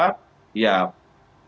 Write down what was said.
tentu pan akan menginisiasi itu